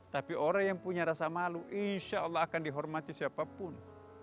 tapi orang yang punya rasa malu insya allah akan dihormati siapapun